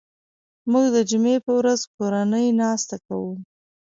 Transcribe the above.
موږ د جمعې په ورځ کورنۍ ناسته کوو